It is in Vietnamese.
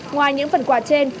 ngoài những phần quà trên